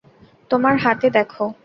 তোমার হাতে দেখো।